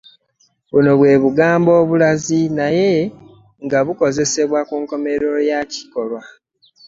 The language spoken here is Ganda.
Buno bwe bugambo obulazi naye nga bukozesebwa ku nkomerero ya kikolwa.